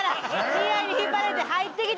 においに引っ張られて入ってきた。